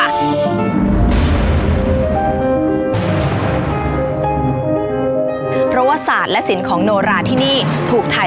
คุณผู้ชมอยู่กับดิฉันใบตองราชนุกูลที่จังหวัดสงคลาค่ะ